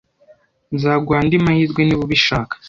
Nzaguha andi mahirwe niba ubishaka.